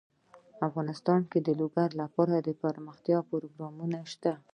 افغانستان کې د لوگر لپاره دپرمختیا پروګرامونه شته.